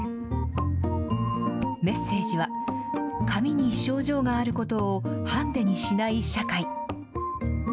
メッセージは、髪に症状があることをハンデにしない社会。